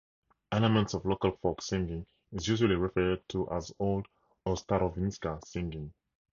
Elements of local folk singing is usually referred to as old or "starovinska" singing.